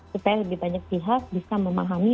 supaya lebih banyak pihak bisa memahami